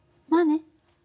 まあね。